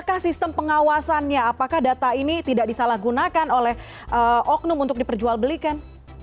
apakah sistem pengawasannya apakah data ini tidak disalahgunakan oleh oknum untuk diperjualbelikan